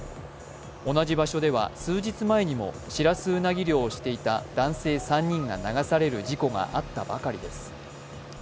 同じ場所では、数日前にもシラスウナギ漁をしていた男性３人が流される事故があったばかりです。